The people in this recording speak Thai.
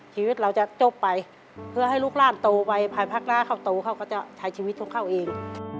ชีวิตเราจะจบไปเพื่อให้ลูกร่านโตไปภายพักร้าเขาโตเขาก็จะใช้ชีวิตของเขาเอง